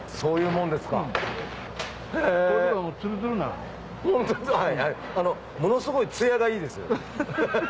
ものすごいツヤがいいですよ。